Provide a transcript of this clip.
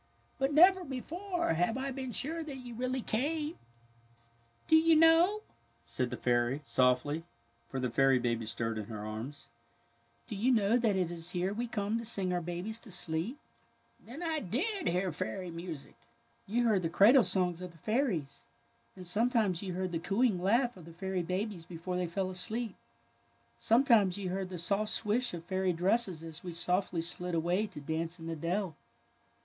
But never before have I been sure that you really came." A TULIP STORY 35 ^^ Do you know," said the fairy, softly, for the fairy baby stirred in her arms, " do you know that it is here we come to sing our babies to sleep? "^^ Then I did hear fairy music? "'^ You heard the cradle songs of the fairies, and sometimes you heard the cooing laugh of the fairy babies before they fell asleep. Sometimes you heard the soft swish of fairy dresses as we softly slid away to dance in the dell."